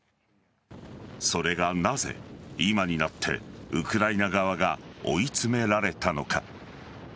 それが、なぜ今になってウクライナ側が追い詰められたのか。